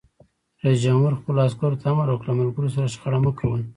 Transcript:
رئیس جمهور خپلو عسکرو ته امر وکړ؛ له ملګرو سره شخړه مه کوئ!